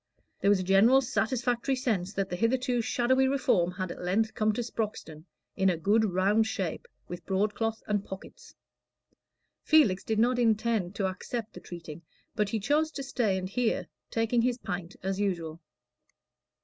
There was a general satisfactory sense that the hitherto shadowy Reform had at length come to Sproxton in a good round shape, with broadcloth and pockets. Felix did not intend to accept the treating, but he chose to stay and hear, taking his pint as usual.